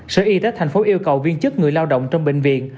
sở y tế tp yêu cầu viên chức người lao động trong bệnh viện